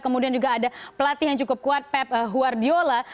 kemudian juga ada pelatih yang cukup kuat pep guardiola